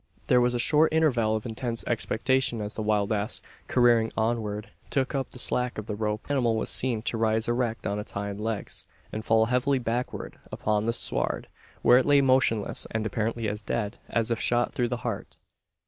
There was a short interval of intense expectation, as the wild ass, careering onward, took up the slack of the rope. Then the animal was seen to rise erect on its hind legs, and fall heavily backward upon the sward where it lay motionless, and apparently as dead, as if shot through the heart!